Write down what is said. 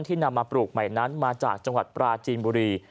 นำมาปลูกใหม่นั้นมาจากจังหวัดปราจีนบุรี